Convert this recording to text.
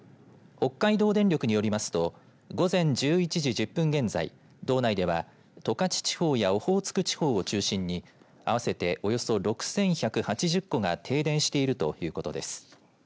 北海道電力によりますと午前１１時１０分現在道内では、十勝地方やオホーツク地方を中心に合わせて６１８０戸が停電しているということです。